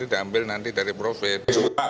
jadi diambil nanti dari profit